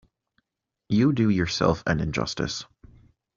You do yourself an injustice.